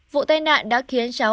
vụ tây nạn đã khiến cháu